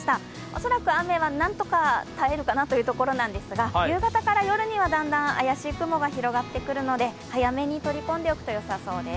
恐らく雨はなんとか耐えるかなというところなんですが、夕方からよるにはだんだん怪しい雲が広がってくるので早めに取り込んでおくとよさそうです。